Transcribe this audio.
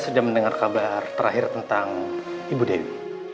sudah mendengar kabar terakhir tentang ibu dewi